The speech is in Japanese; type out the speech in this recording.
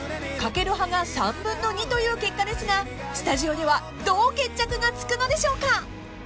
［かける派が３分の２という結果ですがスタジオではどう決着がつくのでしょうか？］